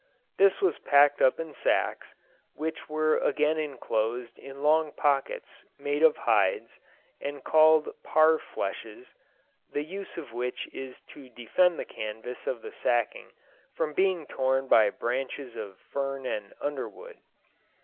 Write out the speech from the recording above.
This was packed up in sacks, which were again enclosed in long pockets, made of hides, and called "parfleshes," the use of which is to defend the canvas of the sacking from being torn by branches of fern and underwood.